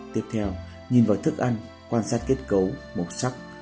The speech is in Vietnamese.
tiếp theo nhìn vào thức ăn quan sát kết cấu màu sắc